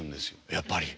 やっぱり。